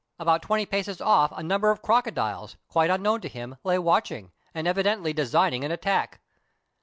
About twenty paces off a num ber of crocodiles, quite unknown to him, lay watching, and evidently designing an attack.